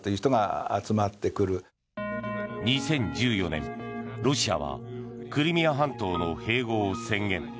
２０１４年、ロシアはクリミア半島の併合を宣言。